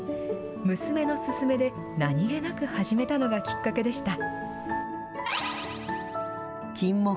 娘の勧めで何気なく始めたのがきっかけでした。